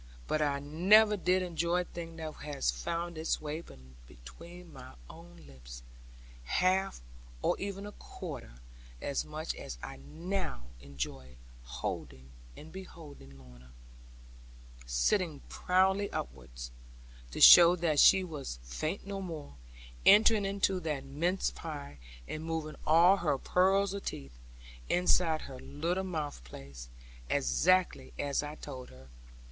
But I never did enjoy a thing, that had found its way between my own lips, half, or even a quarter as much as I now enjoyed beholding Lorna, sitting proudly upwards (to show that she was faint no more) entering into that mince pie, and moving all her pearls of teeth (inside her little mouth place) exactly as I told her.